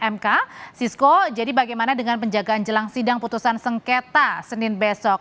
mk sisko jadi bagaimana dengan penjagaan jelang sidang putusan sengketa senin besok